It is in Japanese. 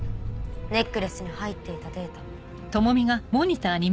ネックレスに入っていたデータも。